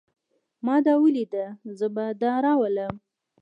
ما دا وليده. زه به دا راولم.